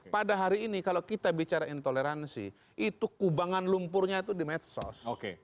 pada hari ini kalau kita bicara intoleransi itu kubangan lumpurnya itu di medsos